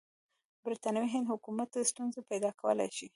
برټانوي هند حکومت ته ستونزې پیدا کولای شي.